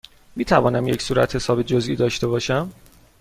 می توانم یک صورتحساب جزئی داشته باشم؟